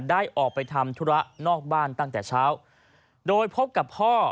ได้ออกไปทำธุระนอกบ้านตั้งแต่เช้าโดยพบกับพ่อ